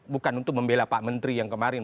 bukan untuk membela pak menteri yang kemarin